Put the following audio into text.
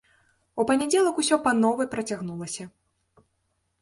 У панядзелак усё па новай працягнулася.